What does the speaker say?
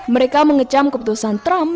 mereka mengecam keputusan trump